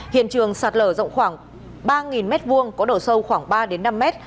hiện trường sạt lở rộng khoảng ba m hai có độ sâu khoảng ba năm mét